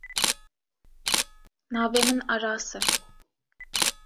Navê min Aras e.